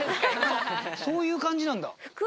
そういう感じなんだ。